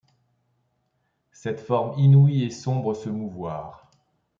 Cette forme inouïe et sombre se mouvoir !